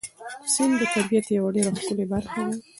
سیند د طبیعت یوه ډېره ښکلې برخه ده.